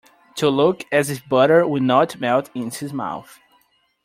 To look as if butter will not melt in his mouth.